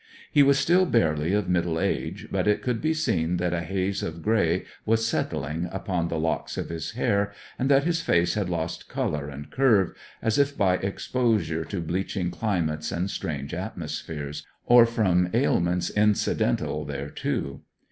He was still barely of middle age, but it could be seen that a haze of grey was settling upon the locks of his hair, and that his face had lost colour and curve, as if by exposure to bleaching climates and strange atmospheres, or from ailments incidental thereto.